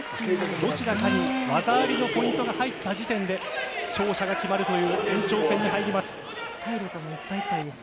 どちらかに技ありのポイントが入った時点で、勝者が決まるという延長戦に入ります。